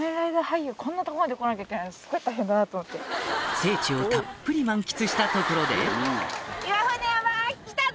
聖地をたっぷり満喫したところで岩船山来たぞ！